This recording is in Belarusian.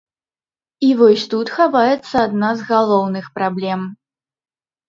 І вось тут хаваецца адна з галоўных праблем.